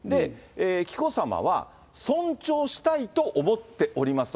紀子さまは、尊重したいと思っておりますと。